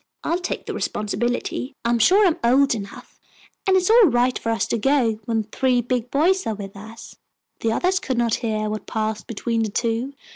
I'll take the responsibility. I'm sure I am old enough, and it's all right for us to go when three big boys are with us." The others could not hear what passed between the two.